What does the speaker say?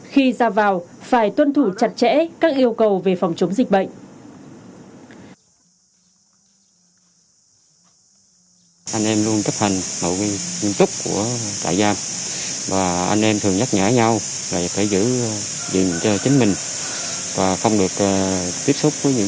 khi ra vào phải tuân thủ chặt chẽ các yêu cầu về phòng chống dịch bệnh